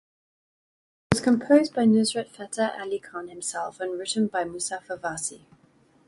It was composed by Nusrat Fateh Ali Khan himself and written by Muzaffar Warsi.